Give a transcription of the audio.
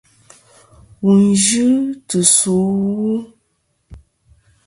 Wù n-yɨ tɨ̀ sù ɨwu.